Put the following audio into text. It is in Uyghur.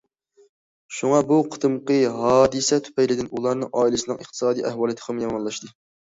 شۇڭا، بۇ قېتىمقى ھادىسە تۈپەيلىدىن ئۇلارنىڭ ئائىلىسىنىڭ ئىقتىسادىي ئەھۋالى تېخىمۇ يامانلاشتى.